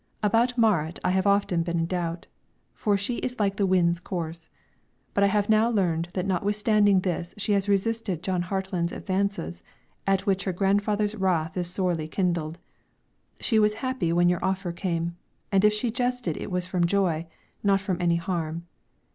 About Marit I have often been in doubt, for she is like the wind's course; but I have now learned that notwithstanding this she has resisted Jon Hatlen's advances, at which her grandfather's wrath is sorely kindled. She was happy when your offer came, and if she jested it was from joy, not from any harm.